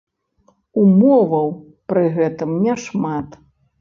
Умоваў пры гэтым няшмат.